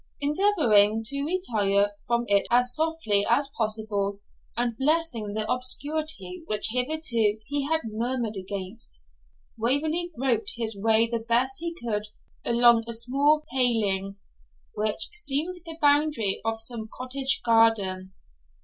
Endeavouring to retire from it as softly as possible, and blessing the obscurity which hitherto he had murmured against, Waverley groped his way the best he could along a small paling, which seemed the boundary of some cottage garden.